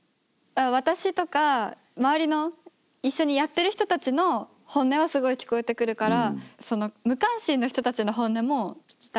私とか周りの一緒にやってる人たちの本音はすごい聞こえてくるからその無関心の人たちの本音も聞きたいなって。